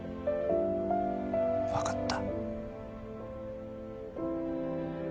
分かった。